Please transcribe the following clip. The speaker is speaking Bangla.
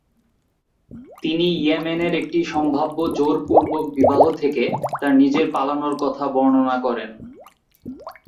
তিনি ইয়েমেনের একটি সম্ভাব্য জোরপূর্বক বিবাহ থেকে তার নিজের পালানোর কথা বর্ণনা করেন।